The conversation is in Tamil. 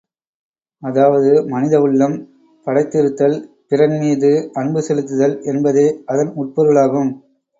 அதாவது மனித உள்ளம் படைத்திருத்தல், பிறன் மீது அன்பு செலுத்துதல் என்பதே அதன் உட்பொருளாகும்!